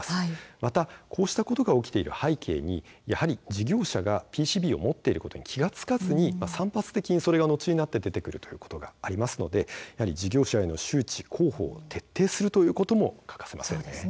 またこうしたことが起きている背景にやはり事業者がＰＣＢを持っていることに気が付かずに散発的にそれが後になって出てくることがありますので事業者への周知広報を徹底することも欠かせません。